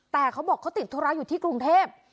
แต่เขาบอกเขาติดธุระอยู่ที่กรุงเทพ